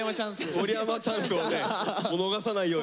織山チャンスをね逃さないように。